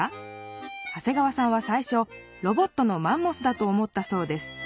長谷川さんはさいしょロボットのマンモスだと思ったそうです。